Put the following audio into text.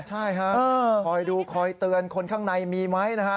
ใช่ฮะคอยดูคอยเตือนคนข้างในมีไหมนะฮะ